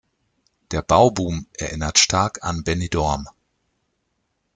Der Bauboom erinnert stark an Benidorm.